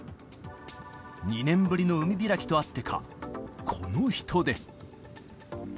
２年ぶりの海開きとあってか、この人出。